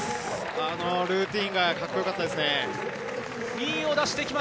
あのルーティーンがかっこよかったですね。